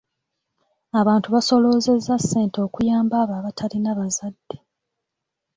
Abantu basoloozezza ssente okuyamba abo abatalina bazadde.